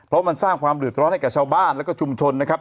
เพราะมันสร้างความเดือดร้อนให้กับชาวบ้านแล้วก็ชุมชนนะครับ